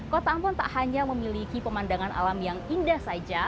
kota ambon tak hanya memiliki pemandangan alam yang indah saja